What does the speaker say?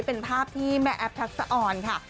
เป็นภาพที่แม่แอฟทักษะออนค่ะ